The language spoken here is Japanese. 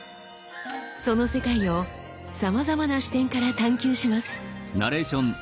その世界をさまざまな視点から探究します。